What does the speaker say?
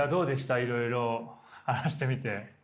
いろいろ話してみて。